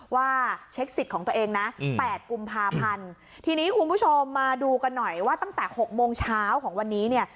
ว่าเช็คสิทธิ์ของตัวเองนะ๘กุมภาพันธ์ทีนี้คุณผู้ชมมาดูกันหน่อยว่าตั้งแต่๖โมงเช้าของวันนี้เนี่ย